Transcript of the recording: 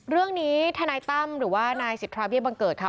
เรื่องนี้ทนายตั้มหรือว่านายสิทธาเบี้ยบังเกิดค่ะ